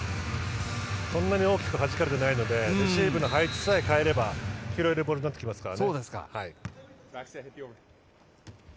そんなに大きくはじかれていないのでレシーブの配置さえ変えれば拾えるボールになってきますから。